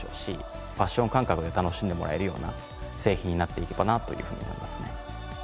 ファッション感覚で楽しんでもらえるような製品になっていけばなというふうに思いますね。